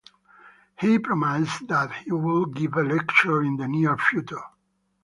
He promised that he would give a lecture in the near future.